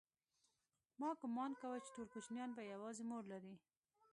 ما گومان کاوه چې ټول کوچنيان به يوازې مور لري.